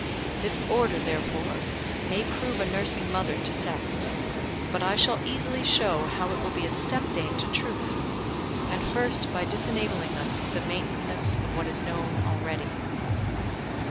This Order, therefore, may prove a nursing mother to sects, but I shall easily show how it will be a step dame to Truth: and first by disenabling us to the maintenance of what is known already.